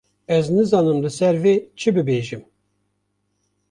Ez nizanim li ser vê çi bibêjim.